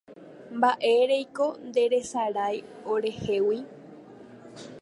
Mba'éreiko nderesarái orehegui